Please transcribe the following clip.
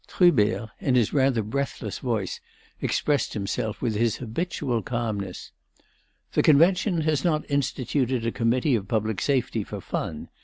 Trubert, in his rather breathless voice, expressed himself with his habitual calmness: "The Convention has not instituted a Committee of Public Safety for fun.